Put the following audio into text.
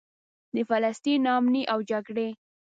د فلسطین نا امني او جګړې.